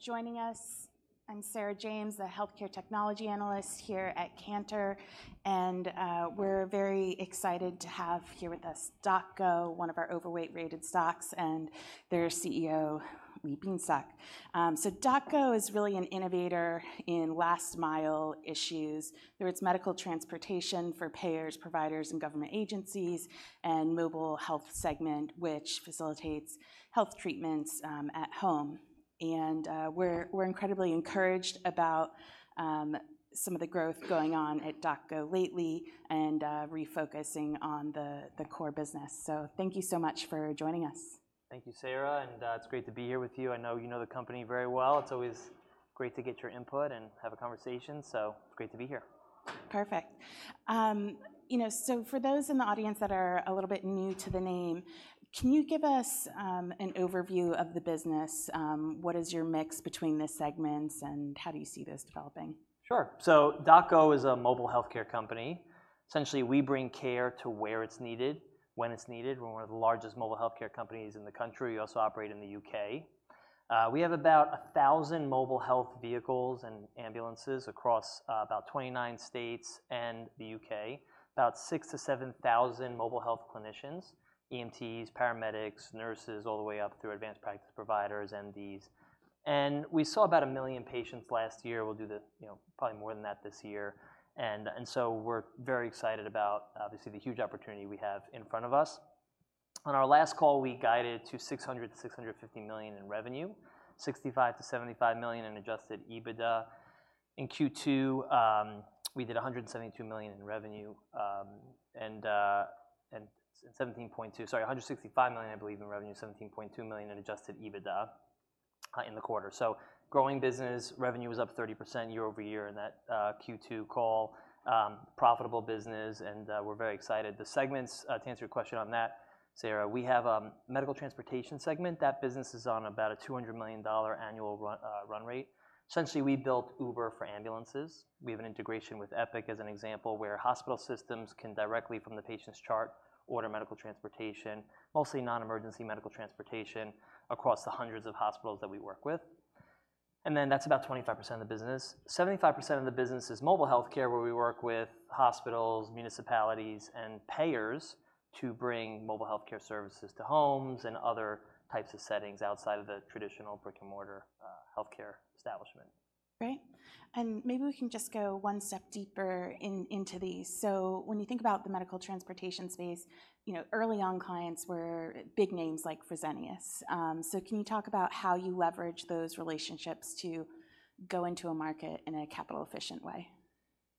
for joining us. I'm Sarah James, a healthcare technology analyst here at Cantor, and we're very excited to have here with us DocGo, one of our Overweight rated stocks, and their CEO, Lee Bienstock. So DocGo is really an innovator in last mile issues, whether it's medical transportation for payers, providers, and government agencies, and mobile health segment, which facilitates health treatments at home. And we're incredibly encouraged about some of the growth going on at DocGo lately and refocusing on the core business. So thank you so much for joining us. Thank you, Sarah, and, it's great to be here with you. I know you know the company very well. It's always great to get your input and have a conversation, so great to be here. Perfect. You know, so for those in the audience that are a little bit new to the name, can you give us an overview of the business? What is your mix between the segments, and how do you see this developing? Sure. So DocGo is a mobile healthcare company. Essentially, we bring care to where it's needed, when it's needed. We're one of the largest mobile healthcare companies in the country. We also operate in the U.K. We have about a thousand mobile health vehicles and ambulances across about 29 states and the U.K. About six to seven thousand mobile health clinicians, EMTs, paramedics, nurses, all the way up through advanced practice providers, MDs. And we saw about a million patients last year. We'll do the, you know, probably more than that this year. And so we're very excited about, obviously, the huge opportunity we have in front of us. On our last call, we guided to $600 million-$650 million in revenue, $65 million-$75 million in Adjusted EBITDA. In Q2, we did $172 million in revenue, and $17.2 million. Sorry, $165 million, I believe, in revenue, $17.2 million in Adjusted EBITDA in the quarter. So growing business revenue is up 30% year-over-year in that Q2 call, profitable business, and we're very excited. The segments to answer your question on that, Sarah, we have medical transportation segment. That business is on about a $200 million annual run rate. Essentially, we built Uber for ambulances. We have an integration with Epic as an example, where hospital systems can directly, from the patient's chart, order medical transportation, mostly non-emergency medical transportation, across the hundreds of hospitals that we work with, and then that's about 25% of the business. 75% of the business is mobile healthcare, where we work with hospitals, municipalities, and payers to bring mobile healthcare services to homes and other types of settings outside of the traditional brick-and-mortar healthcare establishment. Great. And maybe we can just go one step deeper into these. So when you think about the medical transportation space, you know, early on clients were big names like Fresenius. So can you talk about how you leverage those relationships to go into a market in a capital efficient way?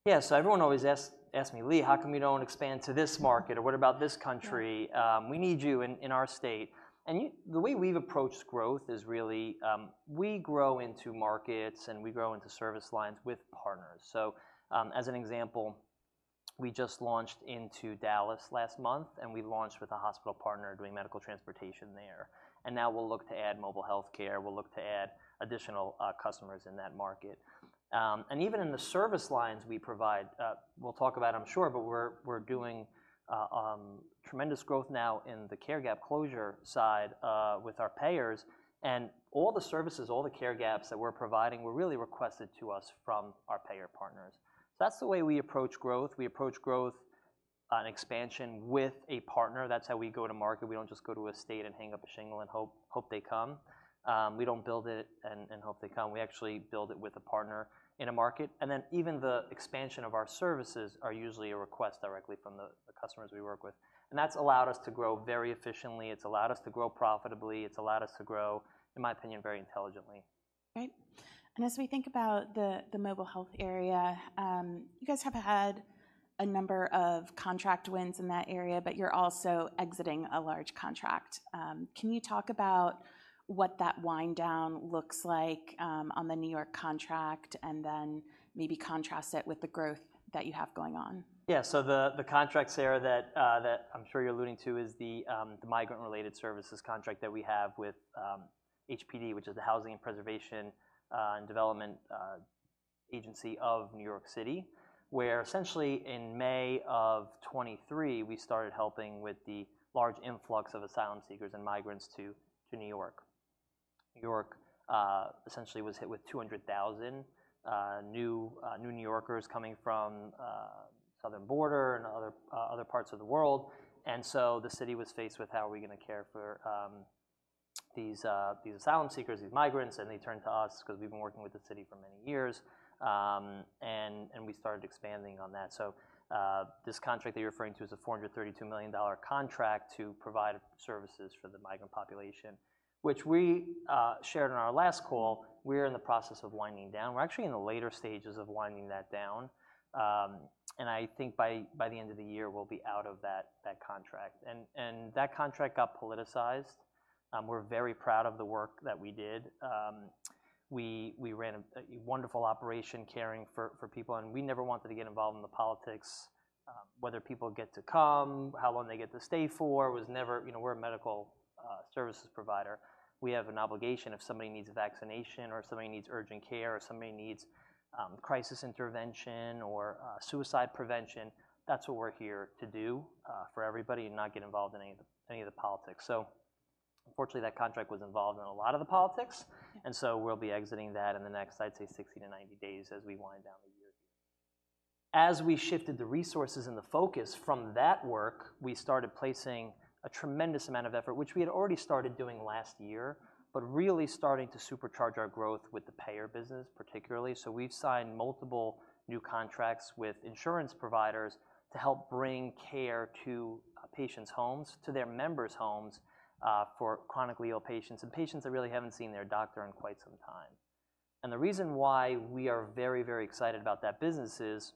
Yeah. So everyone always asks me, "Lee, how come you don't expand to this market? Or what about this country? Yeah. We need you in our state." And the way we've approached growth is really, we grow into markets, and we grow into service lines with partners. So, as an example, we just launched into Dallas last month, and we launched with a hospital partner doing medical transportation there. And now we'll look to add mobile healthcare, we'll look to add additional customers in that market. And even in the service lines we provide, we'll talk about, I'm sure, but we're doing tremendous growth now in the care gap closure side with our payers. And all the services, all the care gaps that we're providing were really requested to us from our payer partners. So that's the way we approach growth. We approach growth on expansion with a partner. That's how we go to market. We don't just go to a state and hang up a shingle and hope they come. We don't build it and hope they come. We actually build it with a partner in a market, and then even the expansion of our services are usually a request directly from the customers we work with, and that's allowed us to grow very efficiently. It's allowed us to grow profitably. It's allowed us to grow, in my opinion, very intelligently. Great. And as we think about the mobile health area, you guys have had a number of contract wins in that area, but you're also exiting a large contract. Can you talk about what that wind down looks like, on the New York contract, and then maybe contrast it with the growth that you have going on? Yeah. So the contract, Sarah, that I'm sure you're alluding to is the migrant-related services contract that we have with HPD, which is the Department of Housing Preservation and Development of New York City, where essentially in May of 2023, we started helping with the large influx of asylum seekers and migrants to New York. New York essentially was hit with two hundred thousand new New Yorkers coming from southern border and other parts of the world. And so the city was faced with: How are we gonna care for these asylum seekers, these migrants? And they turned to us because we've been working with the city for many years, and we started expanding on that. So, this contract that you're referring to is a $432 million contract to provide services for the migrant population, which we shared on our last call. We're in the process of winding down. We're actually in the later stages of winding that down. And I think by the end of the year, we'll be out of that contract. And that contract got politicized. We're very proud of the work that we did. We ran a wonderful operation caring for people, and we never wanted to get involved in the politics. Whether people get to come, how long they get to stay for, was never... You know, we're a medical services provider. We have an obligation if somebody needs a vaccination or somebody needs urgent care, or somebody needs crisis intervention or suicide prevention. That's what we're here to do for everybody and not get involved in any of the politics, so unfortunately that contract was involved in a lot of the politics, and so we'll be exiting that in the next, I'd say, 60-90 days as we wind down the year. As we shifted the resources and the focus from that work, we started placing a tremendous amount of effort, which we had already started doing last year, but really starting to supercharge our growth with the payer business, particularly. So we've signed multiple new contracts with insurance providers to help bring care to patients' homes, to their members' homes for chronically ill patients and patients that really haven't seen their doctor in quite some time, and the reason why we are very, very excited about that business is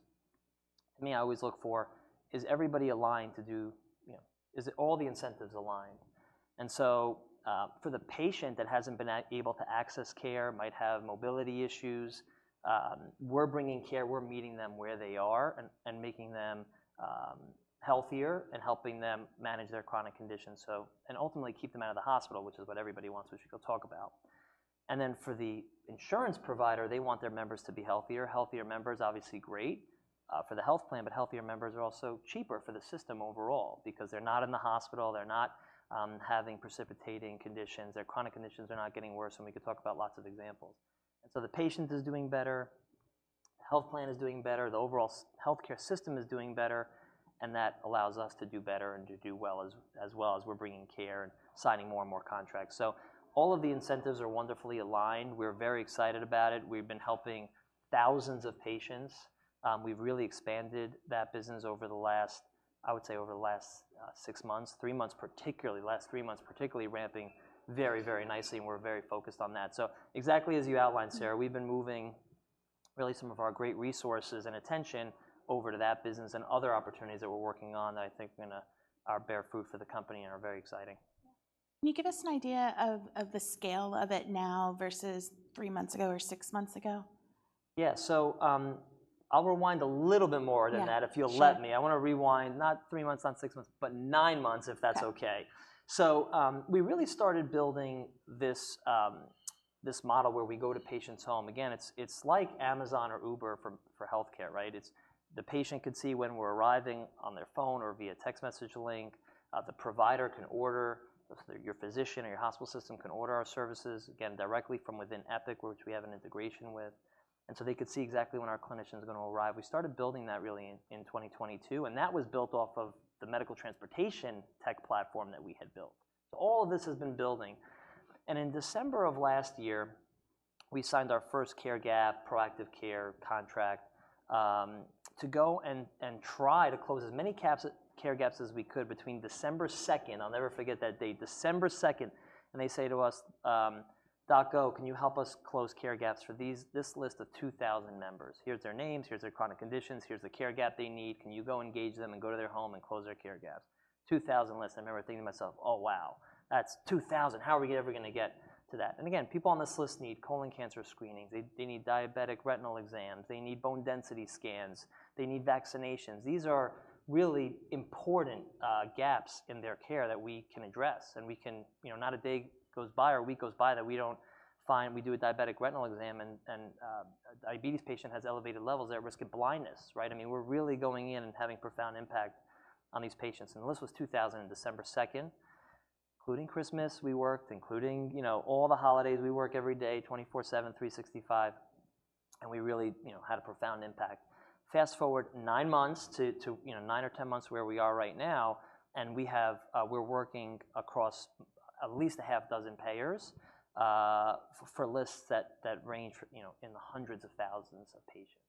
me, I always look for is everybody aligned to do you know, is it all the incentives aligned? and so for the patient that hasn't been able to access care, might have mobility issues, we're bringing care, we're meeting them where they are, and making them healthier and helping them manage their chronic conditions, so and ultimately keep them out of the hospital, which is what everybody wants, which we'll talk about, and then for the insurance provider, they want their members to be healthier. Healthier members, obviously great, for the health plan, but healthier members are also cheaper for the system overall because they're not in the hospital, they're not having precipitating conditions. Their chronic conditions are not getting worse, and we could talk about lots of examples. And so the patient is doing better, the health plan is doing better, the overall healthcare system is doing better, and that allows us to do better and to do well as well as we're bringing care and signing more and more contracts. So all of the incentives are wonderfully aligned. We're very excited about it. We've been helping thousands of patients. We've really expanded that business over the last, I would say, over the last 6 months, 3 months, particularly, the last 3 months, particularly ramping very, very nicely, and we're very focused on that. So exactly as you outlined, Sarah, we've been moving really some of our great resources and attention over to that business and other opportunities that we're working on that I think are gonna bear fruit for the company and are very exciting. Can you give us an idea of the scale of it now versus 3 months ago or 6 months ago? Yeah. So, I'll rewind a little bit more. Yeah... than that, if you'll let me. Sure. I wanna rewind, not 9 months, not six months, but 9 months, if that's okay. Okay. So we really started building this model where we go to patient's home. Again, it's like Amazon or Uber for healthcare, right? The patient can see when we're arriving on their phone or via text message link. The provider can order, your physician or your hospital system can order our services, again, directly from within Epic, which we have an integration with. And so they could see exactly when our clinician's gonna arrive. We started building that really in 2022, and that was built off of the medical transportation tech platform that we had built. So all of this has been building. In December of last year, we signed our first care gap, proactive care contract to go and try to close as many care gaps as we could between December second. I'll never forget that date, December second, and they say to us: "DocGo, can you help us close care gaps for this list of 2,000 members? Here's their names, here's their chronic conditions, here's the care gap they need. Can you go engage them and go to their home and close their care gaps?" 2,000 lists. I remember thinking to myself: Oh, wow, that's 2,000. How are we ever gonna get to that? And again, people on this list need colon cancer screenings, they need diabetic retinal exams, they need bone density scans, they need vaccinations. These are really important gaps in their care that we can address, and we can. You know, not a day goes by or a week goes by that we don't find. We do a diabetic retinal exam, and a diabetes patient has elevated levels. They're at risk of blindness, right? I mean, we're really going in and having profound impact on these patients. The list was 2,000 on December second. Including Christmas, we worked, including all the holidays, we work every day, 24/7, 365, and we really had a profound impact. Fast forward 9 months to, you know, 9 or 10 months where we are right now, and we have, we're working across at least a half dozen payers for lists that range from, you know, in the hundreds of thousands of patients.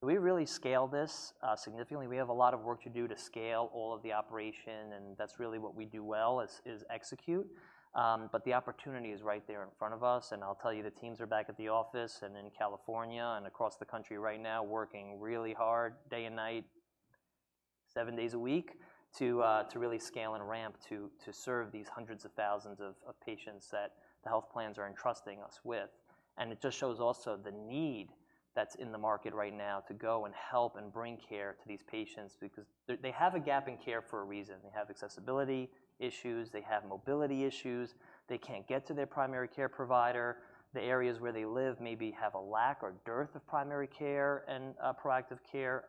So we really scale this significantly. We have a lot of work to do to scale all of the operation, and that's really what we do well, is execute. But the opportunity is right there in front of us, and I'll tell you, the teams are back at the office and in California and across the country right now working really hard, day and night, seven days a week, to really scale and ramp to serve these hundreds of thousands of patients that the health plans are entrusting us with. And it just shows also the need that's in the market right now to go and help and bring care to these patients because they have a gap in care for a reason. They have accessibility issues, they have mobility issues, they can't get to their primary care provider. The areas where they live maybe have a lack or dearth of primary care and proactive care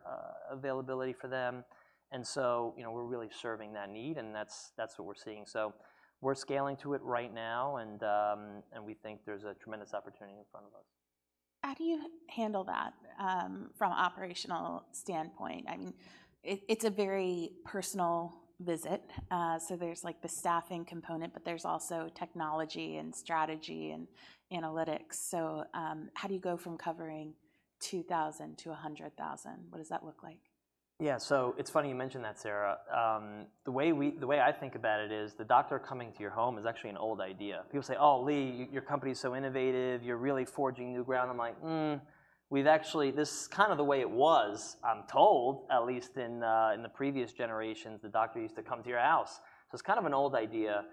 availability for them. And so, you know, we're really serving that need, and that's what we're seeing. So we're scaling to it right now, and we think there's a tremendous opportunity in front of us. How do you handle that from an operational standpoint? I mean, it, it's a very personal visit, so there's, like, the staffing component, but there's also technology and strategy and analytics. So, how do you go from covering 2,000-100,000? What does that look like? Yeah. So it's funny you mention that, Sarah. The way I think about it is, the doctor coming to your home is actually an old idea. People say: "Oh, Lee, your company is so innovative. You're really forging new ground." I'm like: Mm, this is kind of the way it was, I'm told, at least in the previous generations, the doctor used to come to your house. So it's kind of an old idea.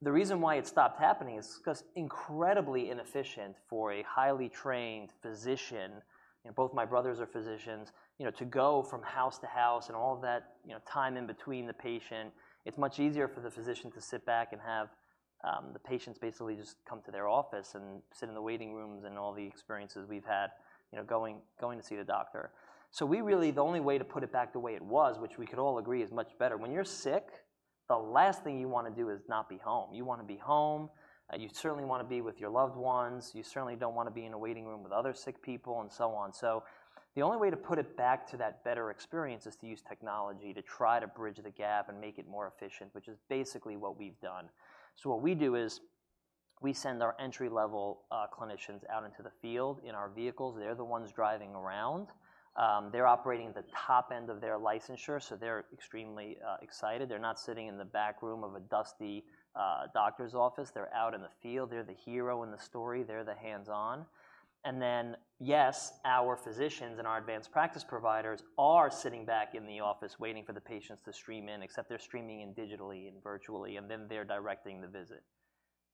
The reason why it stopped happening is 'cause incredibly inefficient for a highly trained physician, and both my brothers are physicians, you know, to go from house to house and all of that, you know, time in between the patient. It's much easier for the physician to sit back and have the patients basically just come to their office and sit in the waiting rooms and all the experiences we've had, you know, going to see the doctor. So we really, the only way to put it back the way it was, which we could all agree, is much better. When you're sick, the last thing you wanna do is not be home. You wanna be home, you certainly wanna be with your loved ones, you certainly don't wanna be in a waiting room with other sick people, and so on. So the only way to put it back to that better experience is to use technology to try to bridge the gap and make it more efficient, which is basically what we've done. So what we do is, we send our entry-level clinicians out into the field in our vehicles. They're the ones driving around. They're operating at the top end of their licensure, so they're extremely excited. They're not sitting in the back room of a dusty doctor's office. They're out in the field. They're the hero in the story. They're the hands-on. And then, yes, our physicians and our advanced practice providers are sitting back in the office waiting for the patients to stream in, except they're streaming in digitally and virtually, and then they're directing the visit.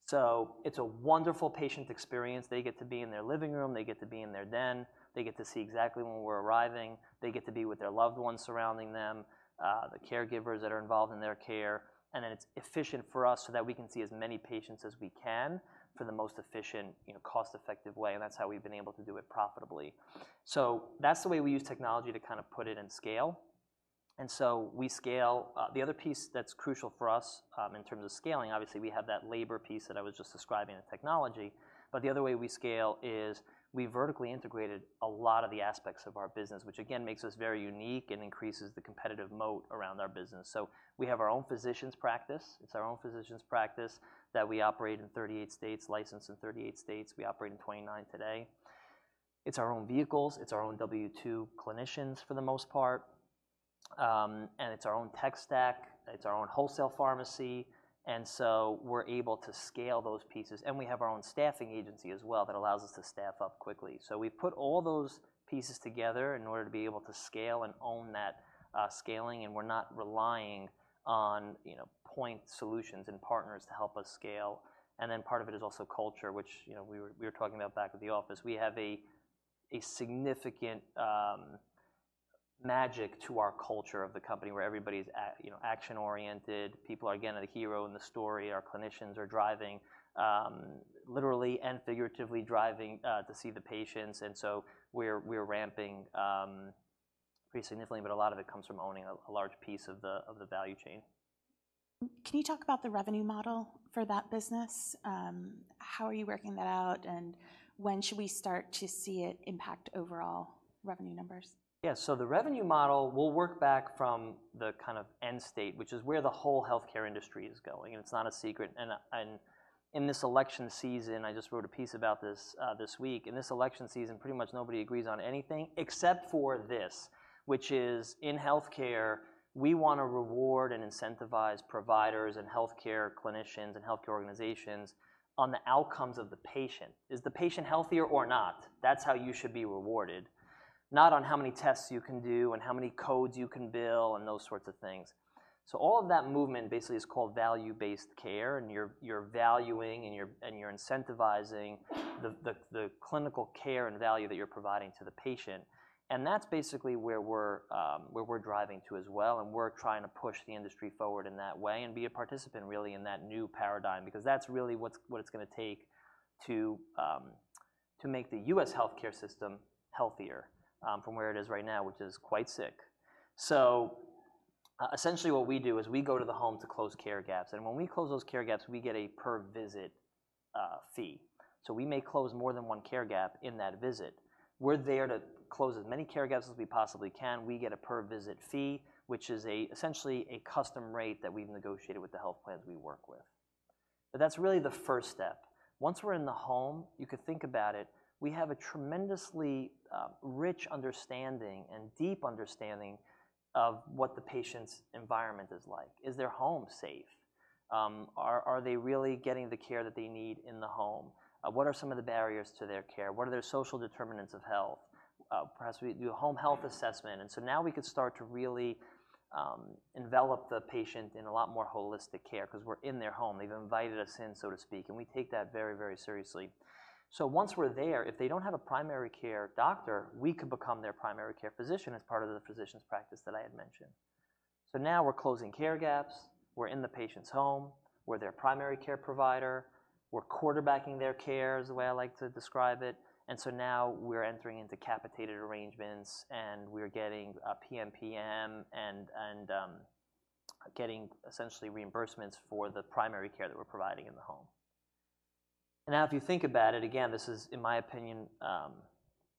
So it's a wonderful patient experience. They get to be in their living room. They get to be in their den. They get to see exactly when we're arriving. They get to be with their loved ones surrounding them, the caregivers that are involved in their care, and then it's efficient for us, so that we can see as many patients as we can for the most efficient, you know, cost-effective way, and that's how we've been able to do it profitably. So that's the way we use technology to kind of put it in scale. And so we scale. The other piece that's crucial for us, in terms of scaling, obviously, we have that labor piece that I was just describing, the technology, but the other way we scale is we vertically integrated a lot of the aspects of our business, which again, makes us very unique and increases the competitive moat around our business. So we have our own physicians practice. It's our own physicians practice that we operate in 38 states, licensed in 38 states. We operate in 29 today. It's our own vehicles, it's our own W-2 clinicians, for the most part, and it's our own tech stack, it's our own wholesale pharmacy, and so we're able to scale those pieces, and we have our own staffing agency as well that allows us to staff up quickly. So we've put all those pieces together in order to be able to scale and own that, scaling, and we're not relying on, you know, point solutions and partners to help us scale. And then part of it is also culture, which, you know, we were talking about back at the office. We have a significant magic to our culture of the company, where everybody's, you know, action-oriented. People are, again, the hero in the story. Our clinicians are driving, literally and figuratively driving, to see the patients, and so we're ramping pretty significantly, but a lot of it comes from owning a large piece of the value chain. Can you talk about the revenue model for that business? How are you working that out, and when should we start to see it impact overall revenue numbers? Yeah, so the revenue model, we'll work back from the kind of end state, which is where the whole healthcare industry is going, and it's not a secret. And in this election season, I just wrote a piece about this, this week. In this election season, pretty much nobody agrees on anything except for this, which is, in healthcare, we wanna reward and incentivize providers and healthcare clinicians and healthcare organizations on the outcomes of the patient. Is the patient healthier or not? That's how you should be rewarded. Not on how many tests you can do and how many codes you can bill and those sorts of things. So all of that movement basically is called value-based care, and you're incentivizing- The clinical care and value that you're providing to the patient, and that's basically where we're driving to as well, and we're trying to push the industry forward in that way and be a participant, really, in that new paradigm, because that's really what's gonna take to make the U.S. healthcare system healthier from where it is right now, which is quite sick. Essentially, what we do is, we go to the home to close care gaps, and when we close those care gaps, we get a per visit fee. So we may close more than one care gap in that visit. We're there to close as many care gaps as we possibly can. We get a per visit fee, which is essentially a custom rate that we've negotiated with the health plans we work with. But that's really the first step. Once we're in the home, you could think about it, we have a tremendously rich understanding and deep understanding of what the patient's environment is like. Is their home safe? Are they really getting the care that they need in the home? What are some of the barriers to their care? What are their social determinants of health? Perhaps we do a home health assessment, and so now we can start to really envelop the patient in a lot more holistic care 'cause we're in their home. They've invited us in, so to speak, and we take that very, very seriously. So once we're there, if they don't have a primary care doctor, we could become their primary care physician as part of the physicians practice that I had mentioned. Now we're closing care gaps, we're in the patient's home, we're their primary care provider, we're quarterbacking their care, is the way I like to describe it, and so now we're entering into capitated arrangements, and we're getting a PMPM, getting essentially reimbursements for the primary care that we're providing in the home. Now, if you think about it, again, this is, in my opinion,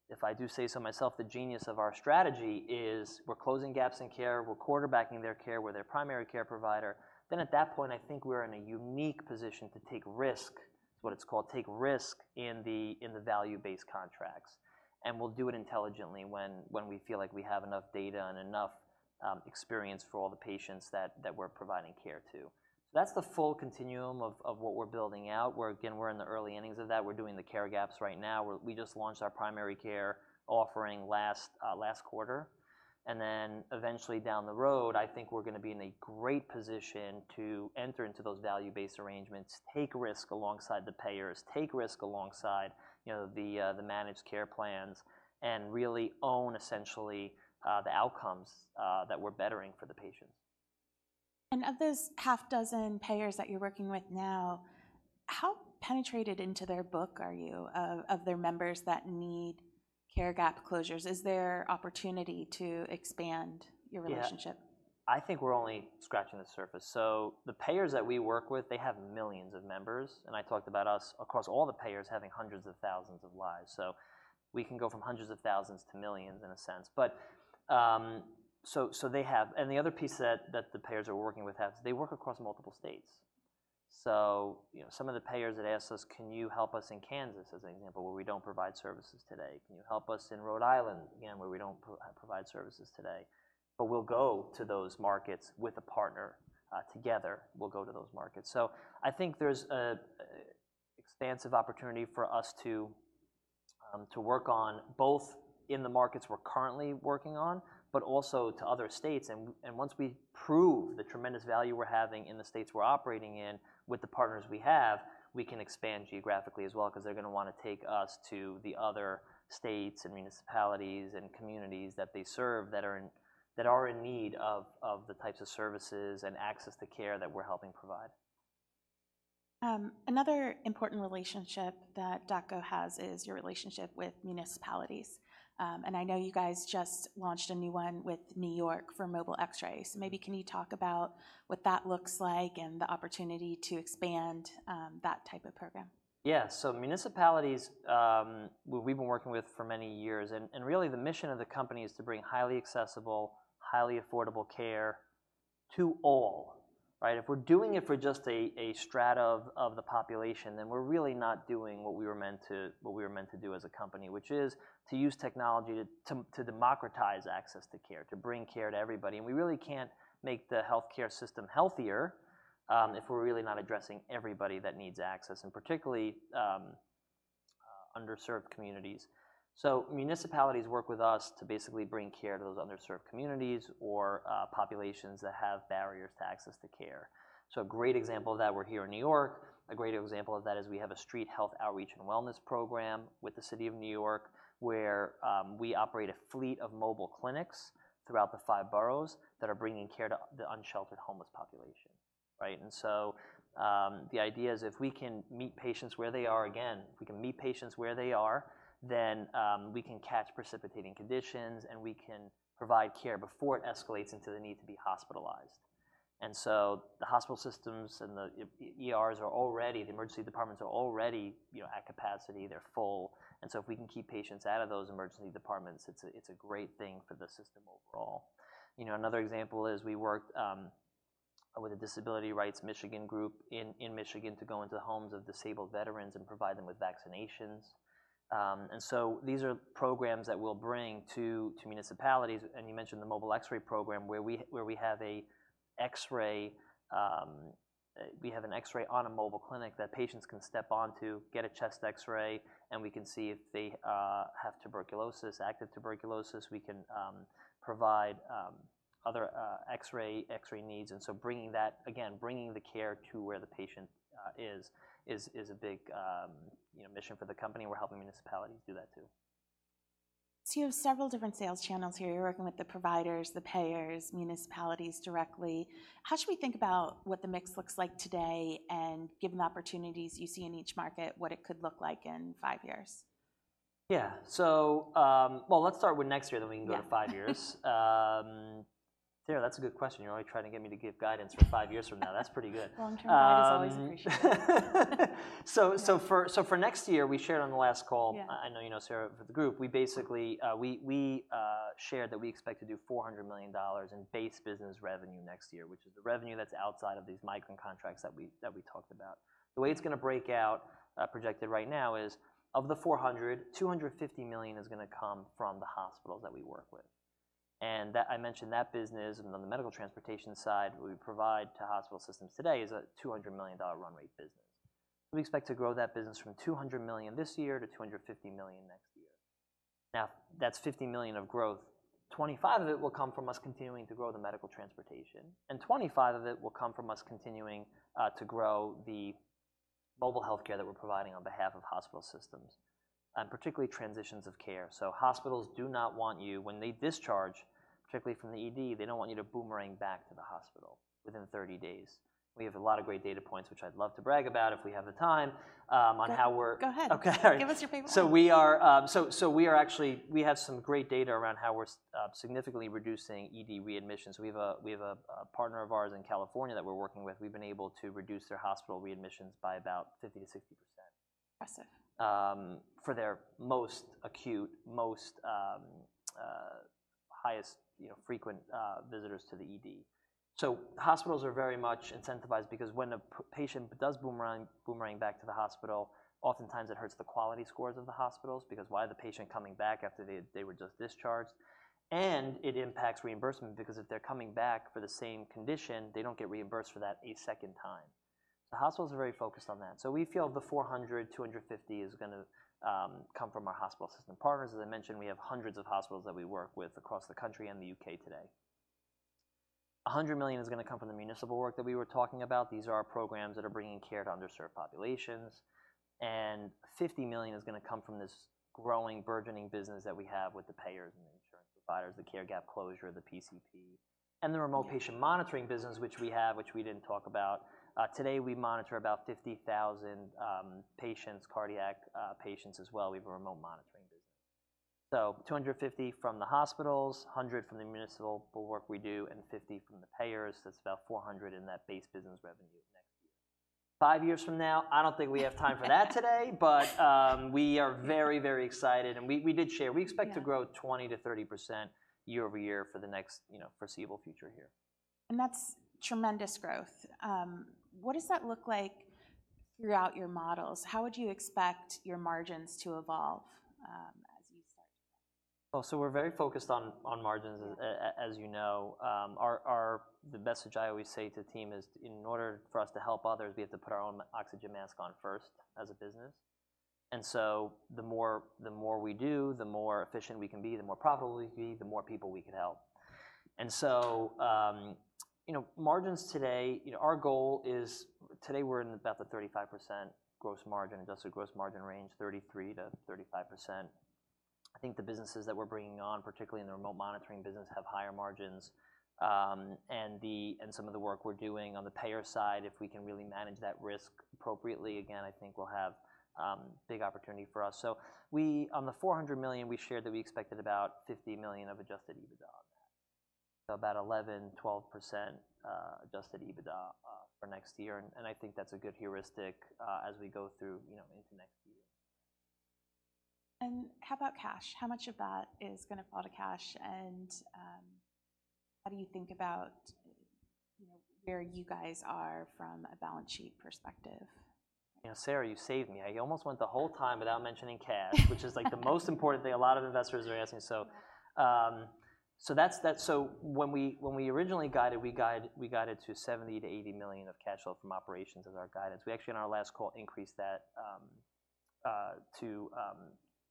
if I do say so myself, the genius of our strategy is, we're closing gaps in care, we're quarterbacking their care, we're their primary care provider. At that point, I think we're in a unique position to take risk. It's what it's called, take risk in the value-based contracts, and we'll do it intelligently when we feel like we have enough data and enough experience for all the patients that we're providing care to. So that's the full continuum of what we're building out. We're again, we're in the early innings of that. We're doing the care gaps right now. We just launched our primary care offering last quarter, and then eventually down the road, I think we're gonna be in a great position to enter into those value-based arrangements, take risk alongside the payers, take risk alongside, you know, the managed care plans, and really own, essentially, the outcomes that we're bettering for the patients. Of those half dozen payers that you're working with now, how penetrated into their book are you of their members that need care gap closures? Is there opportunity to expand your relationship? Yeah. I think we're only scratching the surface. So the payers that we work with, they have millions of members, and I talked about us across all the payers having hundreds of thousands of lives. So we can go from hundreds of thousands to millions, in a sense, but the other piece that the payers are working with us, they work across multiple states. So, you know, some of the payers had asked us: "Can you help us in Kansas?" as an example, where we don't provide services today. "Can you help us in Rhode Island?" again, where we don't provide services today. But we'll go to those markets with a partner, together. We'll go to those markets. So I think there's an expansive opportunity for us to work on both in the markets we're currently working on, but also to other states. And once we prove the tremendous value we're having in the states we're operating in with the partners we have, we can expand geographically as well, 'cause they're gonna wanna take us to the other states and municipalities and communities that they serve, that are in need of the types of services and access to care that we're helping provide. Another important relationship that DocGo has is your relationship with municipalities. And I know you guys just launched a new one with New York for mobile X-rays. Maybe can you talk about what that looks like and the opportunity to expand, that type of program? Yeah, so municipalities, well, we've been working with for many years, and really, the mission of the company is to bring highly accessible, highly affordable care to all, right? If we're doing it for just a strata of the population, then we're really not doing what we were meant to do as a company, which is to use technology to democratize access to care, to bring care to everybody, and we really can't make the healthcare system healthier if we're really not addressing everybody that needs access, and particularly underserved communities. So municipalities work with us to basically bring care to those underserved communities or populations that have barriers to access to care. So a great example of that, we're here in New York. A great example of that is we have a Street Health Outreach and Wellness program with the city of New York, where we operate a fleet of mobile clinics throughout the 5 boroughs that are bringing care to the unsheltered homeless population, right? And so the idea is if we can meet patients where they are, again, if we can meet patients where they are, then we can catch precipitating conditions, and we can provide care before it escalates into the need to be hospitalized. And so the hospital systems and the emergency departments are already, you know, at capacity, they're full, and so if we can keep patients out of those emergency departments, it's a great thing for the system overall. You know, another example is we worked with the Disability Rights Michigan group in Michigan to go into the homes of disabled veterans and provide them with vaccinations. And so these are programs that we'll bring to municipalities, and you mentioned the mobile X-ray program, where we have an X-ray on a mobile clinic that patients can step on to get a chest X-ray, and we can see if they have tuberculosis, active tuberculosis. We can provide other X-ray needs. And so bringing that again, bringing the care to where the patient is a big, you know, mission for the company. We're helping municipalities do that, too. So you have several different sales channels here. You're working with the providers, the payers, municipalities directly. How should we think about what the mix looks like today and given the opportunities you see in each market, what it could look like in 5 years? Yeah. Well, let's start with next year, then we can go to 5 years. Yeah. Sarah, that's a good question. You're already trying to get me to give guidance for 5 years from now. That's pretty good. Long-term guidance is always appreciated. So for next year, we shared on the last call- Yeah.... I know you know, Sarah, for the group. We basically shared that we expect to do $400 million in base business revenue next year, which is the revenue that's outside of these migrant contracts that we talked about. The way it's gonna break out, projected right now, is of the $400 million, $250 million is gonna come from the hospitals that we work with. And that I mentioned that business and on the medical transportation side, we provide to hospital systems today, is a $200 million run rate business. We expect to grow that business from $200 million this year to $250 million next year. Now, that's $50 million of growth. 25 of it will come from us continuing to grow the medical transportation, and 25 of it will come from us continuing to grow the mobile healthcare that we're providing on behalf of hospital systems, and particularly transitions of care. So hospitals do not want you. When they discharge, particularly from the ED, they don't want you to boomerang back to the hospital within thirty days. We have a lot of great data points, which I'd love to brag about if we have the time, on how we're- Go ahead. Okay. Give us your paper. So we are actually. We have some great data around how we're significantly reducing ED readmissions. We have a partner of ours in California that we're working with. We've been able to reduce their hospital readmissions by about 50%-60%. Impressive... for their most acute, highest, you know, frequent visitors to the ED. So hospitals are very much incentivized because when a patient does boomerang back to the hospital, oftentimes it hurts the quality scores of the hospitals, because why is the patient coming back after they were just discharged? And it impacts reimbursement, because if they're coming back for the same condition, they don't get reimbursed for that a second time. So hospitals are very focused on that. So we feel the $425 million is gonna come from our hospital system partners. As I mentioned, we have hundreds of hospitals that we work with across the country and the U.K. today. $100 million is gonna come from the municipal work that we were talking about. These are our programs that are bringing care to underserved populations... and $50 million is gonna come from this growing, burgeoning business that we have with the payers and the insurance providers, the care gap closure, the PCP, and the remote patient monitoring business, which we have, which we didn't talk about. Today we monitor about 50,000 patients, cardiac patients as well. We have a remote monitoring business. So $250 million from the hospitals, $100 million from the municipal work we do, and $50 million from the payers. That's about $400 million in that base business revenue next year. Five years from now, I don't think we have time for that today. But, we are very, very excited, and we, we did share- Yeah. We expect to grow 20%-30% year over year for the next, you know, foreseeable future here. That's tremendous growth. What does that look like throughout your models? How would you expect your margins to evolve, as you start to- Oh, so we're very focused on margins, as you know. The message I always say to the team is, "In order for us to help others, we have to put our own oxygen mask on first as a business." And so the more we do, the more efficient we can be, the more profitable we can be, the more people we can help. And so, you know, margins today, you know, our goal is, today we're in about the 35% gross margin, adjusted gross margin range, 33%-35%. I think the businesses that we're bringing on, particularly in the remote monitoring business, have higher margins. And some of the work we're doing on the payer side, if we can really manage that risk appropriately, again, I think we'll have big opportunity for us. We, on the $400 million, we shared that we expected about $50 million of Adjusted EBITDA on that, about 11%-12% Adjusted EBITDA for next year, and I think that's a good heuristic as we go through, you know, into next year. How about cash? How much of that is gonna fall to cash, and how do you think about, you know, where you guys are from a balance sheet perspective? You know, Sarah, you saved me. I almost went the whole time without mentioning cash, which is, like, the most important thing a lot of investors are asking. So, so that's, that. So when we originally guided, we guided to $70-80 million of cash flow from operations as our guidance. We actually, in our last call, increased that, to.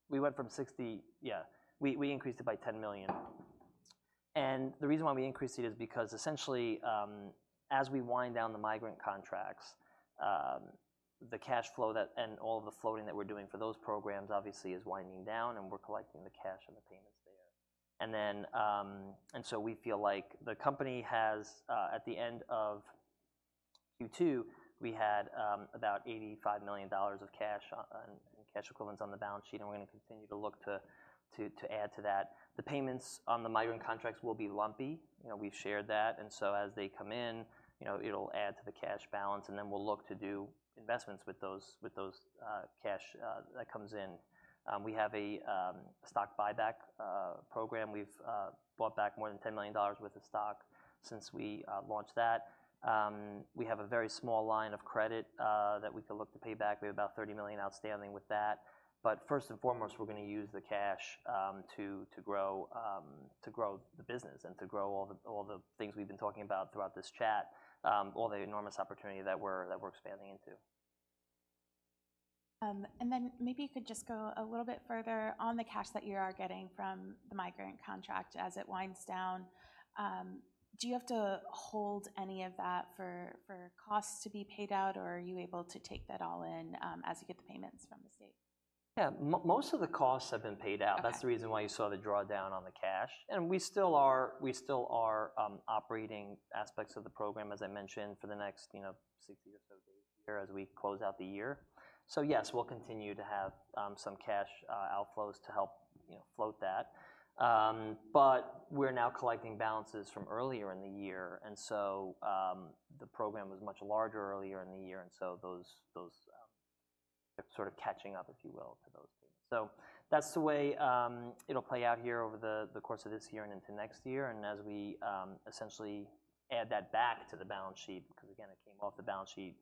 We went from 60. Yeah, we increased it by $10 million. And the reason why we increased it is because, essentially, as we wind down the migrant contracts, the cash flow that, and all the floating that we're doing for those programs obviously is winding down, and we're collecting the cash and the payments there. And then, and so we feel like the company has, at the end of Q2, we had about $85 million of cash and cash equivalents on the balance sheet, and we're gonna continue to look to add to that. The payments on the migrant contracts will be lumpy. You know, we've shared that. And so as they come in, you know, it'll add to the cash balance, and then we'll look to do investments with those cash that comes in. We have a stock buyback program. We've bought back more than $10 million worth of stock since we launched that. We have a very small line of credit that we could look to pay back. We have about $30 million outstanding with that. But first and foremost, we're gonna use the cash to grow the business and to grow all the things we've been talking about throughout this chat, all the enormous opportunity that we're expanding into. And then maybe you could just go a little bit further on the cash that you are getting from the migrant contract as it winds down. Do you have to hold any of that for costs to be paid out, or are you able to take that all in as you get the payments from the state? Yeah. Most of the costs have been paid out. Okay. That's the reason why you saw the drawdown on the cash, and we still are operating aspects of the program, as I mentioned, for the next, you know, sixty or so days here as we close out the year. So yes, we'll continue to have some cash outflows to help, you know, float that. But we're now collecting balances from earlier in the year, and so the program was much larger earlier in the year, and so those sort of catching up, if you will, to those things. So that's the way it'll play out here over the course of this year and into next year and as we essentially add that back to the balance sheet, because, again, it came off the balance sheet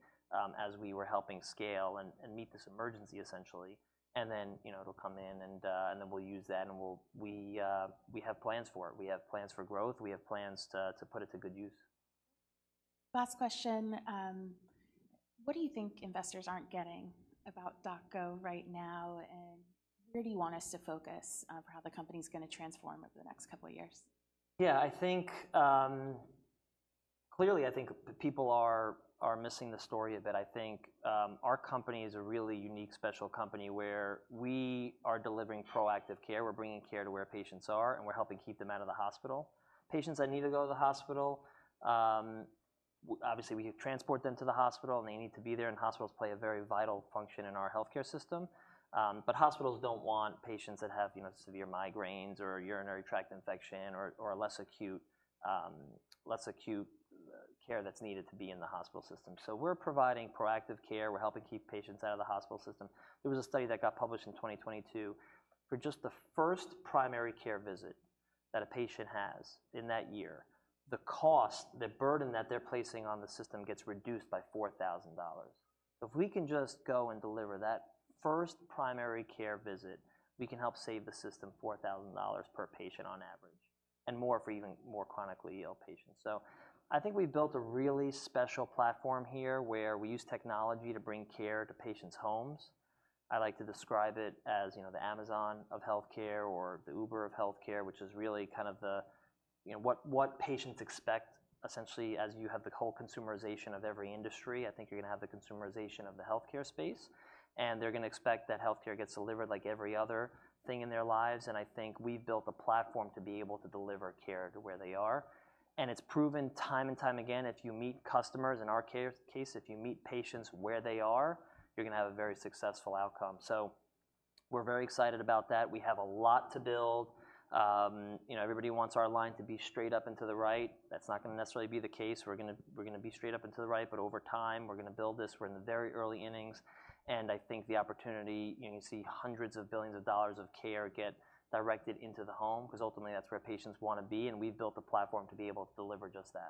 as we were helping scale and meet this emergency, essentially. Then, you know, it'll come in, and then we'll use that, and we have plans for it. We have plans for growth. We have plans to put it to good use. Last question. What do you think investors aren't getting about DocGo right now, and where do you want us to focus on how the company's gonna transform over the next couple of years? Yeah, I think, clearly, I think people are missing the story, that I think, our company is a really unique, special company, where we are delivering proactive care. We're bringing care to where patients are, and we're helping keep them out of the hospital. Patients that need to go to the hospital, obviously, we transport them to the hospital, and they need to be there, and hospitals play a very vital function in our healthcare system. But hospitals don't want patients that have, you know, severe migraines or a urinary tract infection or a less acute care that's needed to be in the hospital system. So we're providing proactive care. We're helping keep patients out of the hospital system. There was a study that got published in 2022. For just the first primary care visit that a patient has in that year, the cost, the burden that they're placing on the system gets reduced by $4,000. If we can just go and deliver that first primary care visit, we can help save the system $4,000 per patient on average, and more for even more chronically ill patients. So I think we've built a really special platform here, where we use technology to bring care to patients' homes. I like to describe it as, you know, the Amazon of healthcare or the Uber of healthcare, which is really kind of the, you know, what, what patients expect. Essentially, as you have the whole consumerization of every industry, I think you're gonna have the consumerization of the healthcare space, and they're gonna expect that healthcare gets delivered like every other thing in their lives, and I think we've built a platform to be able to deliver care to where they are. And it's proven time and time again, if you meet customers, in our case, if you meet patients where they are, you're gonna have a very successful outcome. So we're very excited about that. We have a lot to build. You know, everybody wants our line to be straight up and to the right. That's not gonna necessarily be the case. We're gonna be straight up and to the right, but over time, we're gonna build this. We're in the very early innings, and I think the opportunity, you know, you see hundreds of billions of dollars of care get directed into the home, 'cause ultimately, that's where patients wanna be, and we've built a platform to be able to deliver just that.